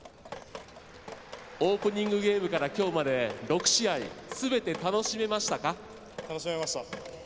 オープニングゲームから今日まで楽しめました。